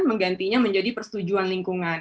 menggantinya menjadi persetujuan lingkungan